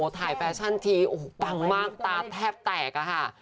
ถ่ายแฟชั่นทีบังมากตาแทบแตกอะค่ะ